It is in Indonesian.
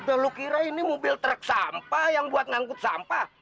lalu kira ini mobil truk sampah yang buat ngangkut sampah